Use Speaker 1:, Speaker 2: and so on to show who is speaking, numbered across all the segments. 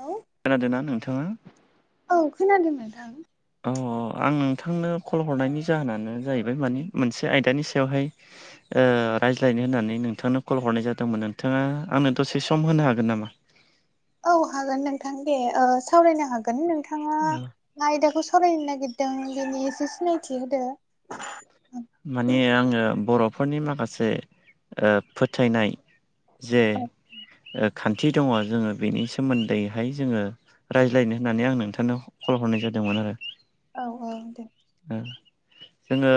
Speaker 1: औ
Speaker 2: खोनादों ना नोंथाङा?
Speaker 1: औ खोनादों नोंथां।
Speaker 2: अ आं नोंथांनो कल हरनायनि जाहोनानो जाहैबाय मानि मोनसे आयदानि सायावहाय। ओ रायज्लायनो होननानै नोंथांनो कल हरनाय जादोंमोन नोंथाङा आंनो दसे सम होनो हागोन नामा।
Speaker 1: औ हागोन नोंथां दे सावरायनो हागोन नोंथाङा आयदाखौ सावरायनो नागिरदों बेनि एसे सिनायथि होदो
Speaker 2: माने आङो बर'फोरनि माखासे फोथायनाय जे खान्थि दङ जोङो बेनि सोमोन्दैहाय जोङो रायज्लायनो होननानै आं नोंथांनो खल हरनाय जादोंमोन आरो।
Speaker 1: औ औ दे।
Speaker 2: जोङो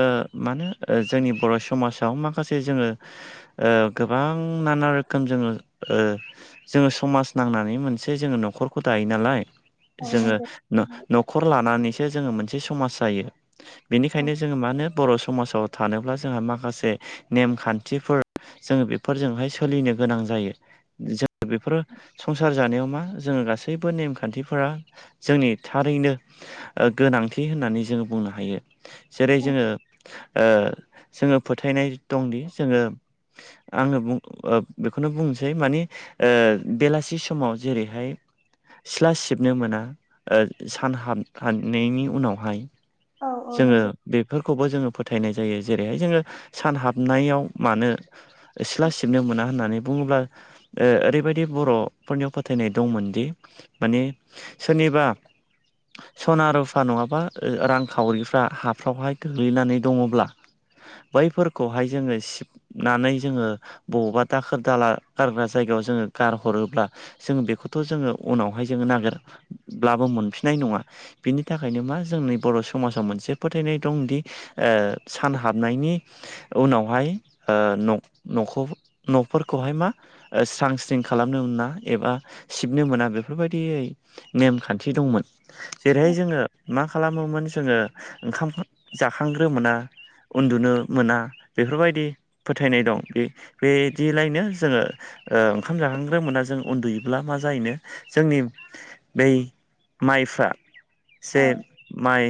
Speaker 2: मानो जोंनि बर' समाजाव माखासे जोङो ओ गोबां नाना रोखोम जोङो ओ जोङो समाज नांनानै मोनसे जोङो न'खरखौ दायो नालाय
Speaker 1: औ
Speaker 2: जोङो
Speaker 1: नंगौ
Speaker 2: न'खर लानानैसो जोङो मोनसे समाज जायो। बेनिखायनो जोङो मा होनो बर' समाजाव थानोब्ला जोंहा माखासे नेमखान्थिफोर जोङो बेफोरजोंहाय सोलिनो गोनां जायो। जों बेफोरो संसार जानायाव मा जोङो गासैबो नेमखान्थिफोरा जोंनि थारैनो गोनांथि होननानै जोङो बुंनो हायो जेरै जोङो जोङो फोथायनाय दंदि जोङो आंडो़ बुं बेखौनो बुंनोसै मानि ओ बेलासि समाव जेरैहाय सिथ्ला सिबनो मोना सान हाबहनायनि उनावहाय
Speaker 1: औ औ
Speaker 2: जोङो
Speaker 1: नंगौ
Speaker 2: बेफोर खौबो जोङो फोथायनाय जायो जेरैहाय जोङो सान हाबनायाव मानो। सि सिला सिबनो मोना होननानै बुङोब्ला। ओ ओरैबायदि बर'फोरनियाव फोथायनाय दंमोनदि माने सोरनिबा सना रुफा नङाबा रांखावरिफ्रा हाफ्रावहाय गोग्लैनानै दङब्ला बैफोरखौहाय जोङो सिब नानै जोङो बबावबा दाखोर दाला गारग्रा जायगायाव जोङो गारहरोब्ला जोङो बेखौथ' जोङो उनावहाय जोङो नागिरब्लाबो मोनफिननाय नङा। बिनि थाखायनो मा जोंनि बर' समाजाव मोनसे फोथायनाय दंदि ओ सान हाबनायनि उनावहाय' ओ न'फोरखौहाय मा। स्रां स्रिं खालामनो मोना एबा सिबनो मोना बेफोरबायदियै नेमखान्थि दंमोन जेरैहाय
Speaker 1: औ
Speaker 2: जोङो मा खालामोमोन जोङो ओंखाम। जाखांग्रो मोना उन्दुनो मोना बेफोरबायदि फोथायनाय दं बे बिदिलायनो जोङो ओ ओंखाम जाखांग्रोमोना जों उन्दुयोब्ला मा जाहोनो जोंनि बै माइफ्रा जे
Speaker 1: औ
Speaker 2: माइ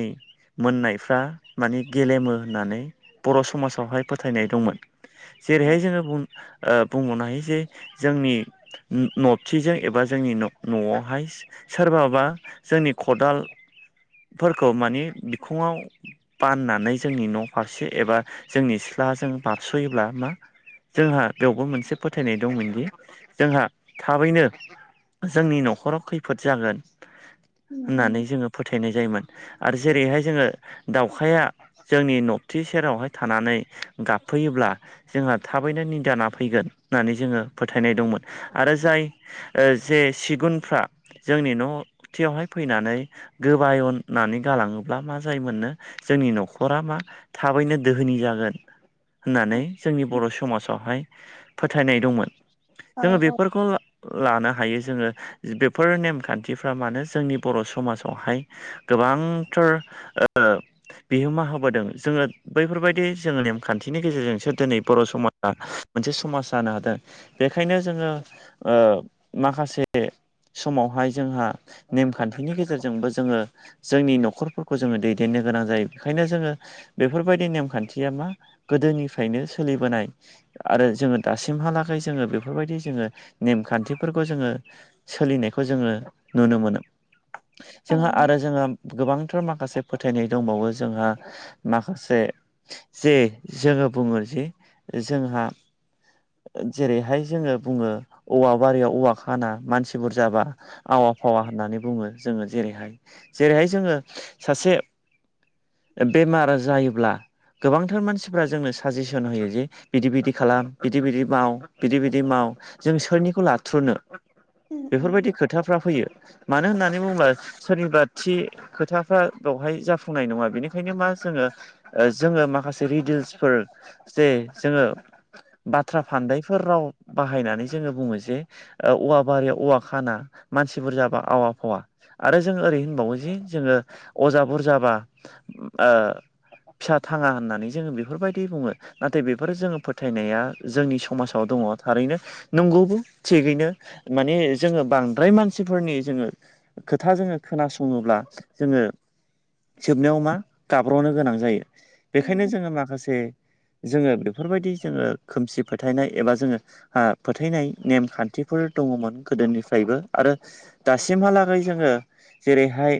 Speaker 2: मोननायफ्रा माने गेलेमो होननानै बर' समाजावहाय फोथायनाय दंमोन।
Speaker 1: औ
Speaker 2: जेरैहाय बुं बुंनो हायो जे जोंनि नबथिजों एबा जोंनि न'आवहाय सोरबाबा जोंनि खदालफोरखौ माने बिखुङाव बाननानै जोंनि न' फारसे एबा जोंनि सिथ्लाजों बारस'योब्ला मा जोंहा बेवबो मोनसे फोथायनाय दंमोनदि जोंहा थाबैनो जोंनि न'खराव खैफोद जागोन। होननानै जोङो फोथायनाय जायोमोन आरो जेरैहाय जोङो दाावखाया जोंनि नबथि सेरावहाय थानानै गाबफैयोब्ला जोंहा थाबैनो निदाना फैगोन होननानै जोङो फोथायनाय दंमोन आरो जाय जे सिगुनफ्रा जोंनि न'थियावहाय फैनानै गोबायननानै गालाङोब्ला मा जायोमोननो जोंनि न'खरा मा थाबैनो दोहोनि जागोन। होननानै जोंनि बर' समाजावहाय फोथायनाय दंमोन।
Speaker 1: औ
Speaker 2: जोङो बेफोरखौ लानो हायो जोङो बेफोर नेमखान्थिफ्रा मानो जोंनि बर' समाजावहाय गोबांथार बिहोमा होबोदों जोङो बैफोरबायदि जोङो नेमखान्थिनि गेजेरजोंसो दिनै बर' समाजा मोनसे समाज जानो हादों। बेखायनो जोङो ओ माखासे समावहाय जोंहा नेमखान्थिनि गेजेरजोंबो जोङो जोंनि न'खरफोरखौ जोङो दैद देननो गोनां जायो। बेखायनो जोङो बेफोरबायदि नेमखान्थिया मा गोदोनिफ्रायनो सोलिबोनाय आरो जोङो दासिमहालागै जोङो बेफोरबायदि जोङो नेमखान्थिफोरखौ जोङो सोलिनायखौ जोङो नुनो मोनो। जोंहा आरो जोङो गोबांथार माखासे फोथायनाय दंबावो जोंहा माखासे जे जोङो बुङो जे जोंहा जेरैहाय जोङो बुङो औवा बारियाव औवा खाना मानसि बुरजाबा आवा फावा होननानै बुङो जोङो जेरैहाय जेरैहाय जोङो सासे बेमार जायोब्ला गोबांथार मानसिफ्रा जोंनो साजेसन होयो जे बिदि बिदि खालाम, बिदि बिदि माव, बिदि बिदि माव जों सोरनिखौ लाथ्र'नो बेफोरबायदि खोथा खोथाफ्रा फैयो। मानो होननानै बुङोब्ला सोरनिबा थि खोथाफ्रा बेवहाय जाफुंनाय नङा। बेनिखायनो मा जोङो जोङो माखासे डितेइल्सफोर जे जोङो बाथ्रा फान्दायफोर राव बाहायनानै जोङो बुङो जे औवा बारियाव औवा खाना मानसिफोर जाबा आवा फावा आरो जों ओरै होनबावो जि जोङो अजा बुरजाबा फिसा थाङा होननानै जोङो बेफोरबायदि बुङो। नाथाय बेफोर जोङो फोथायनाया जोंनि समाजाव दङ। थारैनो नंगौबो थिगैनो माने जोङो बांद्राय मानसिफोरनि जोङो खोथा जोङो खोनासङोब्ला जोङो जोबनायाव मा गाब्र'नो गोनां जायो। बेखायनो जोङो माखासे जोङो बेफोरबायदि जोङो खोमसि फोथायनाय एबा जोङो फोथायनाय नेम खान्थिफोर दङमोन गोदोनिफ्रायबो आरो दासिमहालागै जोङो जेरैहाय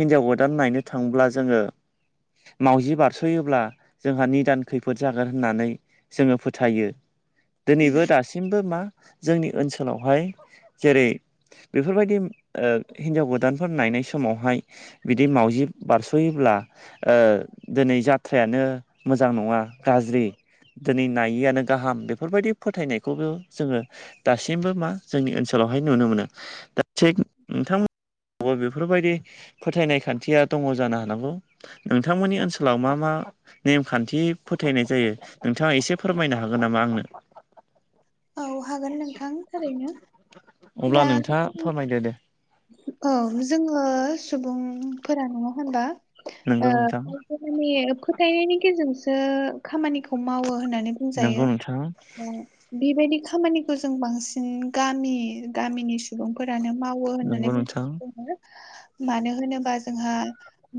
Speaker 2: हिनजाव गोदान नायनो थाङोब्ला जोङो मावजि बारस'योब्ला जोंहा निदान खैफोद जागोन होननानै जोङो फोथायो। दिनैबो दासिम सिमबो मा जोंनि ओनसोलावहाय जेरै- बेफोरबायदि हिन्जाव गोदानफोर नायनाय समावहाय बिदि मावजि बारस'योब्ला ओ दिनै जाथ्रायानो मोजां नङा गाज्रि। दिनै नायिआनो गाहाम बेफोरबायदि फोथायनायखौबो जोङो दासिमबो मा जोंनि ओनसोलावहाय नुनो मोनो। थिग नोंथांमोन बेफोरबायदि फोथायनाय खान्थिया दङ जानो हानांगौ। नोंथांमोननि ओनसोलाव मा मा नेमखान्थि फोथायनाय जायो नोंथाङा एसे फोरमायनो हागोन नामा आंनो।
Speaker 1: औ हागोन नोंथां ओारैनो दा
Speaker 2: खायदे दे।
Speaker 1: औ जोङो सुबुंफोरा नङा होनबा
Speaker 2: नंगौ
Speaker 1: ओ
Speaker 2: नोंथां
Speaker 1: फथानि- फोथायनायनि गेजेरजोंसो खामानिखौ मावो होननानै
Speaker 2: नंगौ
Speaker 1: बुंजायो।
Speaker 2: नोंथां
Speaker 1: बेबायदि खामानिखौ जों बांसिन गामि गामिनि सुबुंफोरानो मावो होन
Speaker 2: नंगौ नोंथां
Speaker 1: मानो होनोबा जोंहा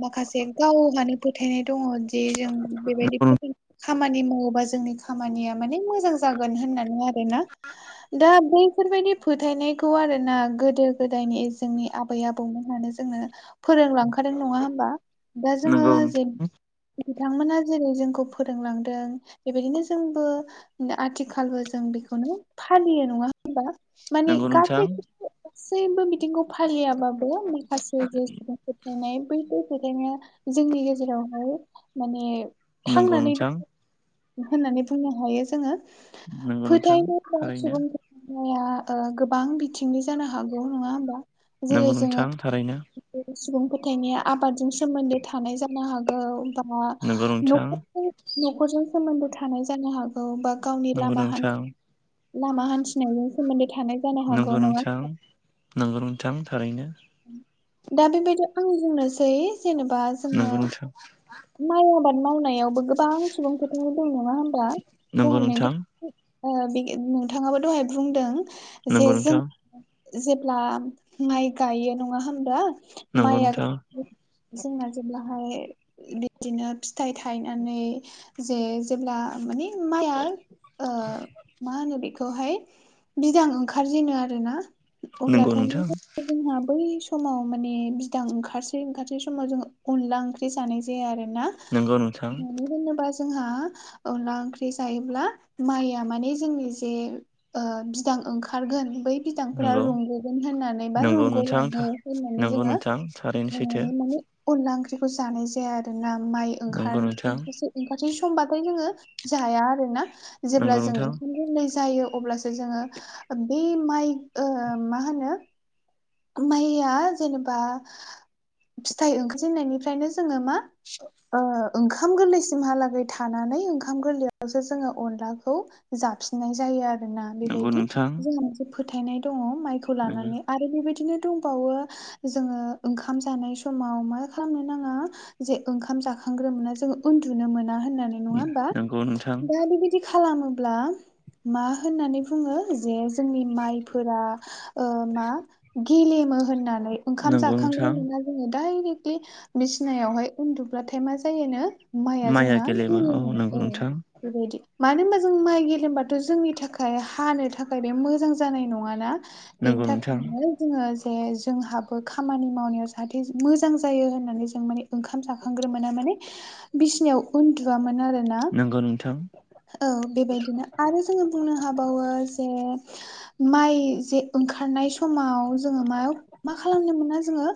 Speaker 1: माखासे गावहानो फोथायनाय दङ जे जों बेबायदि
Speaker 2: नंगौ
Speaker 1: फो खामानि मावोबा जोंनि खामानिया माने मोजां जागोन होननानै आरोना। दा बैफोरबायाददि फोथायनायखौ आरो ना गोदो गोदायनि जोंनि आबै आबौमोन मानो जोंनो फोरोंलांखादों नङा होमबा दा जोङो
Speaker 2: नंगौ
Speaker 1: जेब बिथांमोना जेरै जोंखौ फोरोंलांदों बेबायदिनो जोंबो आथिखालबो जों बेखौनो फालियो नङा होनबा। मानि गासै
Speaker 2: नोंथां
Speaker 1: सैबो मिथिं फालियाबाबो माखासे जे सुबुंफोरथायनाय बैफोर बेखायनो जोंनि गेजेरावहाय माने
Speaker 2: नंगौ
Speaker 1: थांनानै
Speaker 2: नोंथां
Speaker 1: होननानै बुंनो हायो जोङो
Speaker 2: नंगौ नोंथां
Speaker 1: फोथायनो गोनां
Speaker 2: थारैनो
Speaker 1: सुबुं निया गोबां बिथिंनि जानो हागौ नङा होमबा जेरै
Speaker 2: नंगौ
Speaker 1: जोङो
Speaker 2: नोंथां थारैनो
Speaker 1: सुबुं फोथायनाय आबादजों सोमोन्दो थानाय जानो हागौ बा
Speaker 2: नंगौ नोंथां
Speaker 1: नखरजों नखरजों सोमोनदो थानाय जानो हाग औ बा गावनि
Speaker 2: नंगौ
Speaker 1: लामा हान्थ
Speaker 2: नोंथां
Speaker 1: लामा हान्थिनायनि सोमोन्दै थानाय जानो हागौ नङा होमबा।
Speaker 2: नागौ नोंथां थारैनो।
Speaker 1: दा बेबायदि आं बुंनोसै जेनेबा जोङो
Speaker 2: नंगौ नोंथां
Speaker 1: माइ आबाद मावनायावबो गोबां सुबुं फोथायनाय दं नङा होमबा
Speaker 2: नंगौ
Speaker 1: गाहायथ
Speaker 2: नोंथां
Speaker 1: ओ बे नोंथाङाबो दहाय बुंदों जे
Speaker 2: नंगौ
Speaker 1: जों
Speaker 2: नोंथां
Speaker 1: जेब्ला माइ गायो नङा होमब्ला
Speaker 2: नंगौ
Speaker 1: माइआ
Speaker 2: नोंथां
Speaker 1: जोंना जेब्लाहाय बिदिनो फिथाइ थायनानै जे जेब्ला मानि माइआ ओ मा होनो बे खौहाय बिदां ओंखारजेनो आरोना
Speaker 2: नंगौ
Speaker 1: अब्लाथाय मा
Speaker 2: नोंथां
Speaker 1: जोंहा बै समाव माने बिदां ओंखारसै ओंखारसै समाव जों अनला ओंख्रि जानाय जाया आरो ना।
Speaker 2: नंगौ नोंथां
Speaker 1: मानो होनोबा जोंहा अनला ओंख्रि जायोब्ला माइया माने जोंनि जे ओ बिदां ओंखारगोन बै बिदांफोरा
Speaker 2: नंगौ
Speaker 1: रुंग'गोन होननानै बा
Speaker 2: नंगौ
Speaker 1: रुंग'
Speaker 2: नोंथां
Speaker 1: लाङो होननानै
Speaker 2: नंगौ
Speaker 1: जोङो
Speaker 2: नोंथां थारैनो सैथो
Speaker 1: फोथायनानै माने अनला ओंख्रिखौ जानाय जाया आरो ना माइ ओंखार
Speaker 2: नंगौ नोंथां
Speaker 1: ओंखारसै ओंखारसै समबाथाय जोङो जाया आरो ना। जेब्ला
Speaker 2: नंगौ
Speaker 1: जों
Speaker 2: नोंथां
Speaker 1: ओंखाम गोरलै जायो अब्लासो जोङो बे माइ ओ मा होनो माइया जेनेबा फिथाइ ओंखारजेननायनिफ्रायनो जोङो मा ओ ओंखाम गोरलैसिमहालागै थानानै ओंखाम गोरलैयावसो जोङो अनलाखौ जाफिननाय जायो आरो। आरोना
Speaker 2: नंगौ
Speaker 1: बेबायदि
Speaker 2: नोंथां
Speaker 1: जोंहा मोनसे फोथायनाय दङ माइखौ
Speaker 2: नंगौ
Speaker 1: लानानै। आरो बेबायदि बिदिनो दंबावो जोङो ओंखाम जानाय समाव मा खालामनो नाङा जे ओंखाम जाखांग्रोमोना जोङो उन्दुनो मोना होननानै नङा होमबा
Speaker 2: नंगौ नोंथां
Speaker 1: दा बिदि बिदि खालामोब्ला मा होननानै बुङो जे जोंनि माइफोरा ओ मा गेलेमो होननानै ओंखाम
Speaker 2: नंगौ नोंथां
Speaker 1: जाखांग्रोमोना जोङो डायरेक्टलि बिसिनायावहाय उन्दुब्लाथाय मा जायोनो माइया जोंना
Speaker 2: गेलेमा
Speaker 1: गेलेमो
Speaker 2: नंगौ
Speaker 1: औ
Speaker 2: नोंथां
Speaker 1: बेबायदि मानो होनबा जों माइ गेलेमबाथ' जोंनि थाखाय हानो थाखाय बे मोजां जानाय नङाना बेनि
Speaker 2: नंगौ नोंथां
Speaker 1: थाखायनो जोङो जे जोंहाबो खामानि मावनायाव जाहाथे मोजां जायो होननानै जों माने ओंखाम जाखांग्रोमोना माने बिसिनायाव उन्दुआमोन आरो ना
Speaker 2: नंगौ नोंथां
Speaker 1: औ बेबायदिनो आरो जोङो बुंनो हाबावो जे माइ जे ओंखारनाय समाव जोङो मा मा खालामनो मोना जोङो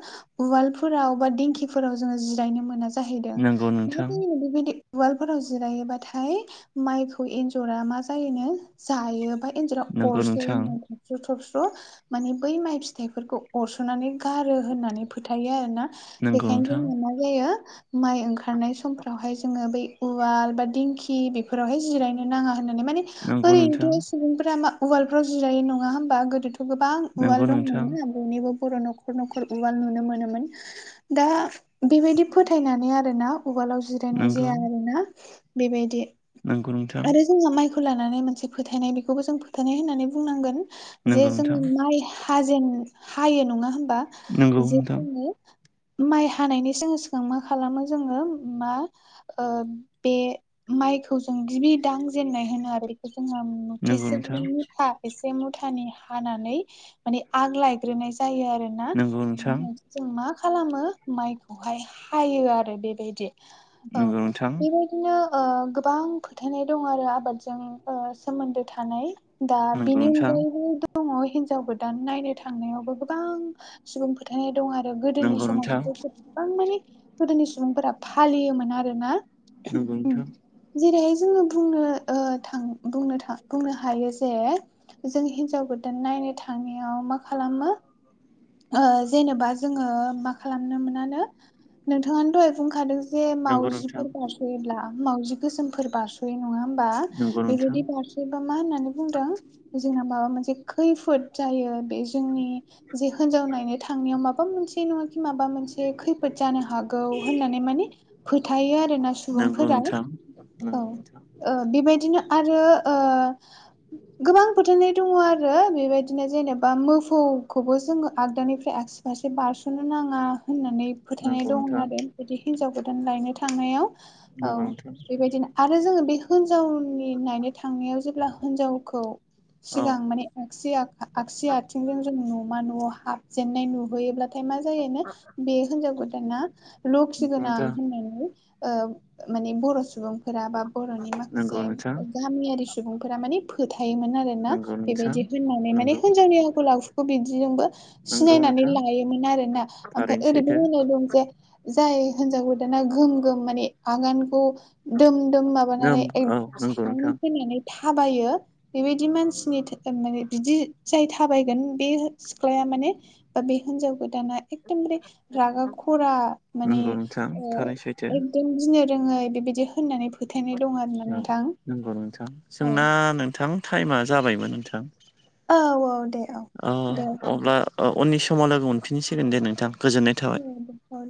Speaker 1: उवालफोराव बा दिंखिफोराव जोङो जिरायनो मोना जाहैदों
Speaker 2: नंगौ
Speaker 1: मा
Speaker 2: नोंथां
Speaker 1: जायो बेबायदि उवालफोराव जिरायोबाथाय माइखौ एन्जरा मा जायोनो जायो बा एन्जरा
Speaker 2: नंगौ नोंथां
Speaker 1: अरसयोनो थबस्र' थबस्र' माने बै माइ फिथाइफोरखौ अरस'नानै गारो होननानै फोथायो आरो ना
Speaker 2: नंगौ
Speaker 1: बेखायनो
Speaker 2: नोंथां
Speaker 1: जोंना मा जायो माइ ओंखारनाय समफोरावहाय जोङो बै उवाल बा दिंखि बेफोरावहाय जिरायनो नाङा होननानै माने
Speaker 2: नंगौ नोंथां
Speaker 1: ओरैनोथ' सुबुंफोरा मा उवालफ्राव जिरायो नङा होमबा गोदोथ' गोबां
Speaker 2: नंगौ
Speaker 1: उवाल
Speaker 2: नोंथां
Speaker 1: दंमोन ना बयनिबो बर' न'खर न'खर उवाल नुनो मोनोमोन दा बेबायदि फोथायनानै आरोना उवालाव जिरायनाय जाया आरोना बेबायदि
Speaker 2: नांगौ नोंथां
Speaker 1: आरो जोंहा माइखौ लानानै मोनसे फोथायनाय बेखौबो जों फोथायनाय होननानै बुंनांगो जे
Speaker 2: नंगौ
Speaker 1: जोंङो
Speaker 2: नोंथां
Speaker 1: माइ हाजेन हायो नङा होमबा
Speaker 2: नंगौ
Speaker 1: जे
Speaker 2: नोंथां
Speaker 1: जोङो माइ हानायनि सिगां सिगां मा खालामो जोङो मा बे माइखौ जों गिबि दांजेननाय होनो आरो बेखौ जो
Speaker 2: नंगौ
Speaker 1: मथिसे माने
Speaker 2: नोंथां
Speaker 1: मोथा एसे मुथानि हानानै माने आग लायग्रोनाय जायो आरो ना
Speaker 2: नंगौ नोंथां
Speaker 1: जों मा खालामो माइखौहाय हायो आरो बेबायदि अ
Speaker 2: नंगौ नोंथां
Speaker 1: बेबायदि बिदिनो गोबां फोथायनाय दं आरो आबादजों सोमोन्दो थानाय दा बिनि अनगायैबो दङ हिनजाव गोदान नायनो थांनायावबो गोबां सुबुं फोथायनाय दं आरो गोदोनि
Speaker 2: नंगौ
Speaker 1: समाव
Speaker 2: नोंथां
Speaker 1: बेफोर गोबां माने गोदोनि सुबुंफोरा फालियोमोन आरो ना
Speaker 2: न [unintelligible]
Speaker 1: जेरैहाय जोङो बुंनो थ बुंनो हायो जे जों हिनजाव गोदान नायनो थांनायाव मा खालामो जेनेबा जोङो मा खालामनो मोनानो नोंथाङानो दहाय बुंखादों जे
Speaker 2: नोंथां
Speaker 1: मावजिफोर बारस'योब्ला म मावजि गोसोमफोर बारस' नङा होमबा
Speaker 2: नंगौ नोंथां नंगौ नोंथां
Speaker 1: बेबायदि बार बेबा मा होननानै बुंदों जोंहा माबा मोनसे खैफोद जायो बे जोंनि जे हिनजाव नायनो थांनायाव माबा मोनसे नङाि माबा मोनसे खैफोद जानो हागौ होननानै माने फोथायो आरो
Speaker 2: नंगौ नोंथां नंगौ
Speaker 1: सुबुंफोरा
Speaker 2: नोंथां नंगौ
Speaker 1: औ
Speaker 2: नोंथां
Speaker 1: बेबायदिनो आरो गोबां बोथोरनि दङ आरो बेबायदिनो जेनेबा मफ थौखौबो जोङो आगदानिफ्राय आगसि फारसे बारस'नो नाङा होननानै
Speaker 2: नंगौ
Speaker 1: फोथायनाय दं
Speaker 2: नोंथां
Speaker 1: आरो बिदि हिनजाव गोदान लायनो थांनायाव औ
Speaker 2: नंगौ नोंथां
Speaker 1: बेबायदिनो आरो जोङो बे हिन्जावनि नायनो थांनायाव जेब्ला हिनजावखौ
Speaker 2: औ
Speaker 1: सिगां माने आगसि आगसिया आथिंजों जोंङ मा न'आव हाबजेननाय नुहैयो हाथाय मा जायो बे हिनजाव गोदाना लखि
Speaker 2: नंगौ
Speaker 1: गोनां
Speaker 2: नोंथां
Speaker 1: होननानै माने बर' सुबुंफोरा बा बर'नि माखासे
Speaker 2: नंगौ नोंथां
Speaker 1: गामियारि सुबुंफोरा माने फोथायोमोन आरो ना
Speaker 2: नंगौ नोंथां
Speaker 1: बेबायदि होननानै माने
Speaker 2: नंगौ
Speaker 1: हिनजावनियाव बि
Speaker 2: नंगौ
Speaker 1: सिनायनानै
Speaker 2: नोंथां
Speaker 1: लोना म
Speaker 2: थारैनो सैथो
Speaker 1: ओैनाय मोनसे जाय हिनजावखौ दाना गोम गोम माने आगानखौ दोम दोम
Speaker 2: नोम
Speaker 1: माबानानै ए
Speaker 2: औ
Speaker 1: स
Speaker 2: नंगौ नोंथां
Speaker 1: फैनानै थाबायो बेबायदि मानसिनि माने बिदि जाय थाबायगोन बे सिख्लाया माने बा बे हिनजाव गोदाना एखदमबारे रागा खरा माने
Speaker 2: नंगौ नोंथां थारै सैथो
Speaker 1: आ जों गिनो रोङै बेबायदि होननानै फोथायनाय दं आरोना
Speaker 2: औ
Speaker 1: नोंथां
Speaker 2: नंगौ नोंथां
Speaker 1: औ
Speaker 2: जोंना नोंथां टाइमा जाबायमोन नोंथां
Speaker 1: औ औ दे औ
Speaker 2: अ
Speaker 1: दे औ
Speaker 2: अब्ला उननि समाव लोगो मोनफिनसिगोन दे नोंथां गोजोननाय थाबाय
Speaker 1: [unintelligible]